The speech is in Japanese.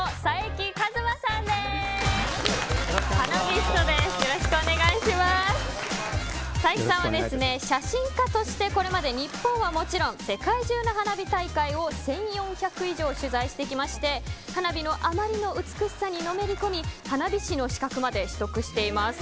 冴木さんは写真家としてこれまで日本はもちろん世界中の花火大会を１４００以上取材してきまして花火のあまりの美しさにのめり込み花火師の資格まで取得しています。